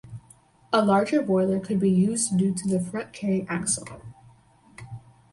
A larger boiler could be used due to the front carrying axle.